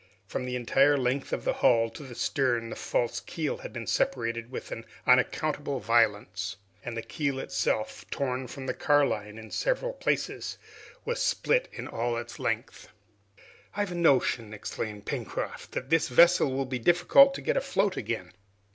From the entire length of the hull to the stern the false keel had been separated with an unaccountable violence, and the keel itself, torn from the carline in several places, was split in all its length. "I've a notion!" exclaimed Pencroft, "that this vessel will be difficult to get afloat again."